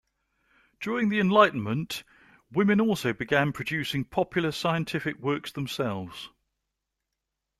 During the Enlightenment, women also began producing popular scientific works themselves.